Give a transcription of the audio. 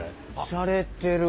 しゃれてる。